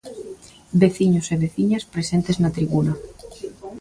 Veciños e veciñas presentes na tribuna.